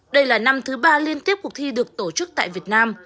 đây là năm thứ ba liên tiếp cuộc thi được tổ chức tại việt nam